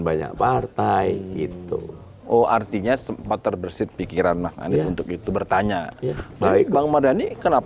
banyak partai gitu oh artinya sempat terbersih pikiran mas anies untuk itu bertanya bang madani